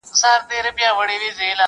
د اخترونو د جشنونو شالمار خبري!!